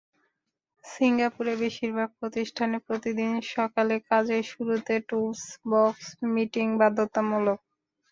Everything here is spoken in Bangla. সিঙ্গাপুরে বেশির ভাগ প্রতিষ্ঠানে প্রতিদিন সকালে কাজের শুরুতে টুলস বক্স মিটিং বাধ্যতামূলক।